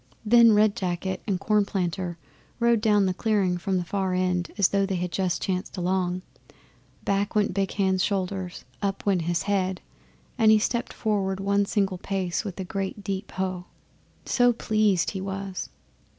Then Red Jacket and Cornplanter rode down the clearing from the far end as though they had just chanced along. Back went Big Hand's shoulders, up went his head, and he stepped forward one single pace with a great deep Hough! so pleased he was.